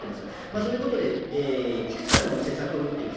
そういうことで、いくつかの施策を打っています。